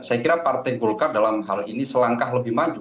saya kira partai golkar dalam hal ini selangkah lebih maju